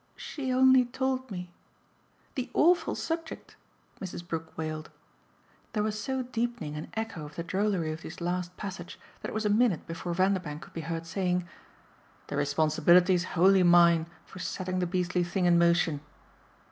"She only told me " "The awful subject?" Mrs. Brook wailed. There was so deepening an echo of the drollery of this last passage that it was a minute before Vanderbank could be heard saying: "The responsibility's wholly mine for setting the beastly thing in motion.